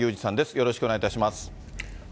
よろしくお願いします。